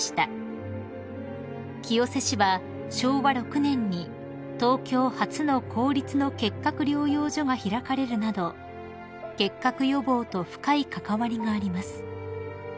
［清瀬市は昭和６年に東京初の公立の結核療養所が開かれるなど結核予防と深い関わりがあります］